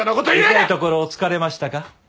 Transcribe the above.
痛いところを突かれましたか？